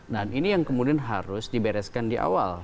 dan ini yang kemudian harus dibereskan di awal